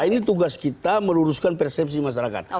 ini tugas kita meluruskan persepsi masyarakat